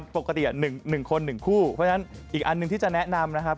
ปกติ๑คน๑คู่เพราะฉะนั้นอีกอันหนึ่งที่จะแนะนำนะครับ